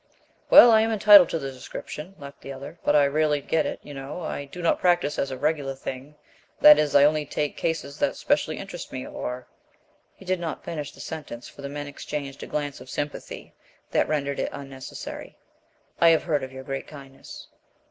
"Well, I am entitled to the description," laughed the other, "but I rarely get it. You know, I do not practice as a regular thing; that is, I only take cases that specially interest me, or " He did not finish the sentence, for the men exchanged a glance of sympathy that rendered it unnecessary. "I have heard of your great kindness."